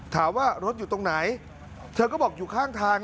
ถามว่ารถอยู่ตรงไหนเธอก็บอกอยู่ข้างทาง